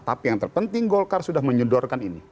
tapi yang terpenting golkar sudah menyedorkan ini